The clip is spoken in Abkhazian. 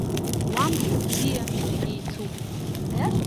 Уа мшыбзиа зегь еицуп.